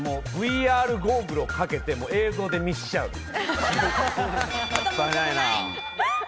ＶＲゴーグルをかけて映像で見せちゃう。